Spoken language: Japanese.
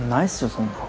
そんな。